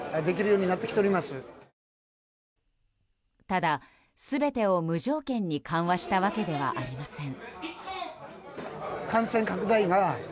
ただ、全てを無条件に緩和したわけではありません。